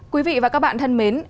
quý vị và các bạn thân mến